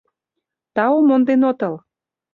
Тау, монден отыл.